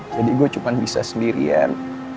jadi gue cuman bisa sendirian